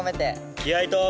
気合いと。